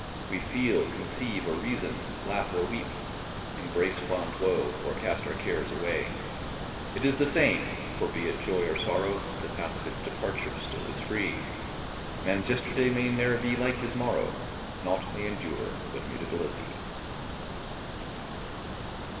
We feel, conceive, or reason; laugh or weep, Embrace fond woe, or cast our cares away; It is the same: for, be it joy or sorrow, The path of its departure still is free. Man's yesterday may ne'er be like his morrow; Nought may endure but mutability!